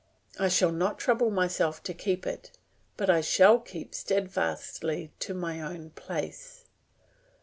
I shall not trouble myself to keep it, but I shall keep steadfastly to my own place.